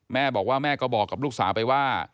แม่บอกว่าแม่ก็บอกกับลูกสาวไปว่า